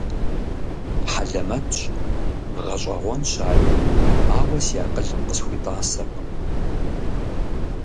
Хьэлэмэтщ, гъэщӀэгъуэнщ ари, ауэ си акъылым къысхуитӀасэркъым.